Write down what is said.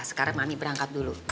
sekarang mami berangkat dulu